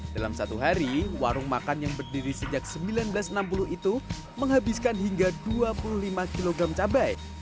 dalam satu hari warung makan yang berdiri sejak seribu sembilan ratus enam puluh itu menghabiskan hingga dua puluh lima kg cabai